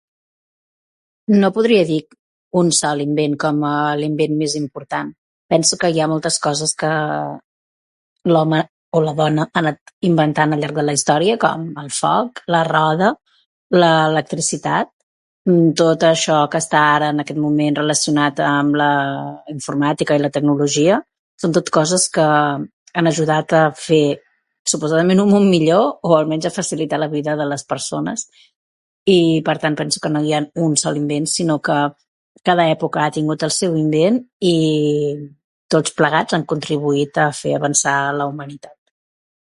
No podria dir un sol invent com a l'invent més important. Penso que hi ha moltes coses que l'home o la dona ha anat inventant al llarg de la història, com el foc, la roda, l'electricitat, tot això que està ara, en aquest moment relacionat amb la informàtica i la tecnologia, són tot coses que han ajudat a fer, suposadament, un món millor o almenys, a facilitar la vida de les persones, i per tant penso que no hi ha un sol invent, sinó que cada època ha tingut el seu invent i tots plegats han contribuït a fer avançar la humanitat.